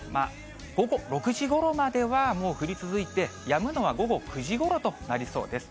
午後６時ごろまでは、もう降り続いて、やむのは午後９時ごろとなりそうです。